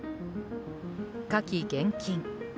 火気厳禁。